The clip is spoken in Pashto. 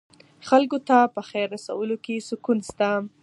خلکو ته په خیر رسولو کې سکون شته.